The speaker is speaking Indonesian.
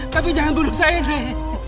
tapi jangan bunuh saya nek